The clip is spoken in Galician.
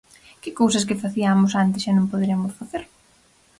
Que cousas que faciamos antes xa non poderemos facer?